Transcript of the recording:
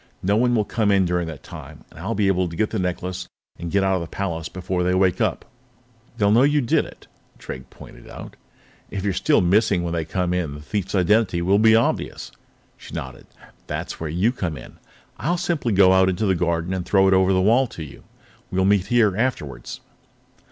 No one will come in during that time, and I'll be able to get the necklace and get out of the palace before they wake up." "They'll know you did it," Drake pointed out. "If you're still missing when they come to, the thief's identity will be obvious." She nodded. "That's where you come in. I'll simply go out into the garden and throw it over the wall to you. We'll meet here afterwards."